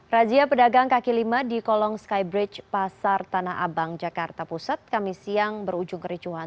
razia pedagang kaki lima di kolong skybridge pasar tanah abang jakarta pusat kami siang berujung kericuhan